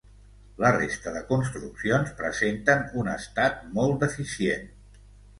La resta de construccions presenten un estat molt deficient.